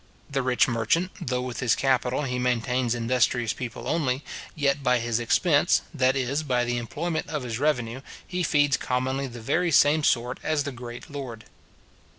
The rich merchant, though with his capital he maintains industrious people only, yet by his expense, that is, by the employment of his revenue, he feeds commonly the very same sort as the great lord.